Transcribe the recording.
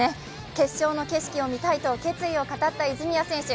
決勝の景色を見たいと決意を語った泉谷選手。